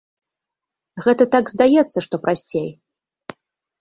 Гэта так здаецца, што прасцей.